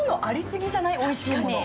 おいしいもの